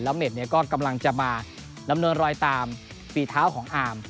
แล้วเมดกำลังจะมาลำนวนรอยตามปีเท้าของอาร์ม